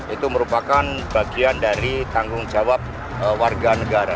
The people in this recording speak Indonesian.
itu merupakan bagian dari tanggung jawab warga negara